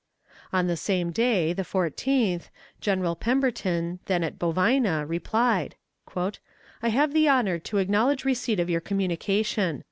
On the same day, the 14th, General Pemberton, then at Bovina, replied: "I have the honor to acknowledge receipt of your communication.